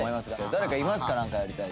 誰かいますかなんかやりたい。